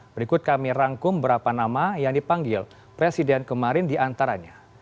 berikut kami rangkum berapa nama yang dipanggil presiden kemarin diantaranya